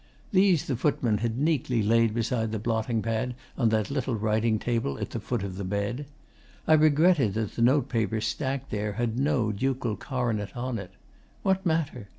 These the footman had neatly laid beside the blotting pad on that little writing table at the foot of the bed. I regretted that the notepaper stacked there had no ducal coronet on it. What matter?